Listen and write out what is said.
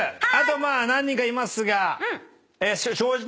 あと何人かいますが。